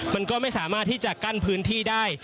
มันก็ไม่สามารถที่จะกั้นพื้นที่ได้